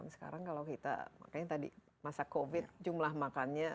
sekarang kalau kita makanya tadi masa covid jumlah makannya